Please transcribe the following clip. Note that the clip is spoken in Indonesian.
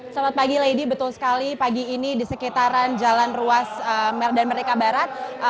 selamat pagi lady betul sekali pagi ini di sekitaran jalan ruas medan merdeka barat